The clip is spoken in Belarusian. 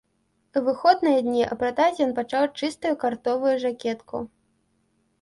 У выходныя дні апратаць ён пачаў чыстую картовую жакетку.